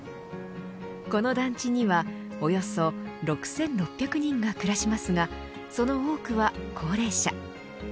この団地にはおよそ６６００人が暮らしますがその多くは高齢者。